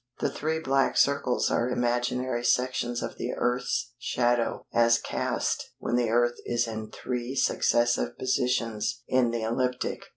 The three black circles are imaginary sections of the Earth's shadow as cast when the Earth is in three successive positions in the ecliptic.